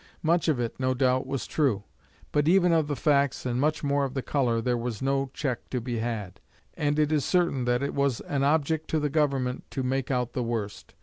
Much of it, no doubt, was true; but even of the facts, and much more of the colour, there was no check to be had, and it is certain that it was an object to the Government to make out the worst.